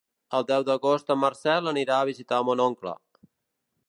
El deu d'agost en Marcel anirà a visitar mon oncle.